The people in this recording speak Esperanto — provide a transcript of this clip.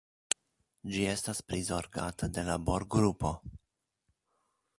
Ĝi estas prizorgata de laborgrupo.